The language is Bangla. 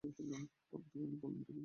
পদার্থবিজ্ঞান পড়লে এনট্রপিকে বুঝতেই হবে।